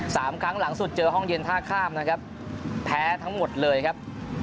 สามครั้งหลังสุดเจอห้องเย็นท่าข้ามนะครับแพ้ทั้งหมดเลยครับ